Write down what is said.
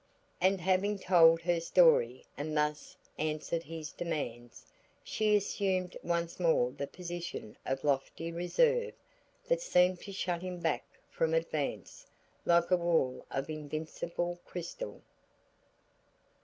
And having told her story and thus answered his demands, she assumed once more the position of lofty reserve that seemed to shut him back from advance like a wall of invincible crystal.